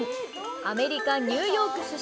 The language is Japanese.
アメリカ・ニューヨーク出身。